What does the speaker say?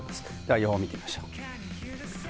予報を見てみましょう。